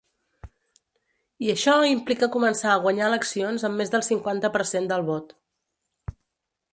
I això implica començar a guanyar eleccions amb més del cinquanta per cent del vot.